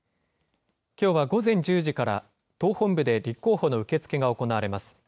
きょうは午前１０時から党本部で立候補の受け付けが行われます。